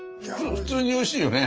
普通においしいよね？